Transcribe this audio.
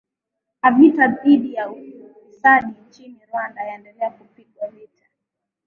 a vita dhidi ya ufisadi nchini rwanda yaendelea kupigwa vita